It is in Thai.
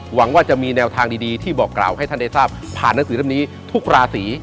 หวังว่าจะมีแนวทางดีที่บอกกล่าวให้ท่านได้ทราบผ่านหนังสือเล่มนี้ทุกราศี